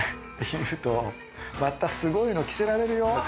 言うとまたすごいの着せられるよ。